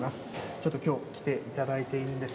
ちょっときょう来ていただいているんです。